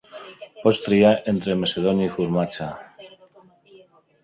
Pots triar entre macedònia i formatge